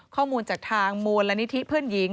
ข้อมูลจากทางมูลนิธิเพื่อนหญิง